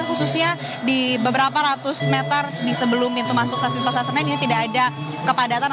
khususnya di beberapa ratus meter di sebelum pintu masuk stasiun pasar senen ini tidak ada kepadatan